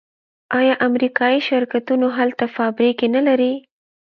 آیا امریکایی شرکتونه هلته فابریکې نلري؟